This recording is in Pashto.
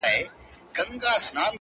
ډوډۍ د ورځني خواړو برخه ده.